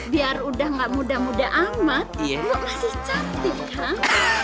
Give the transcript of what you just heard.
biar udah gak muda muda amat kasih cantik kan